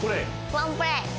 ワンプレイ。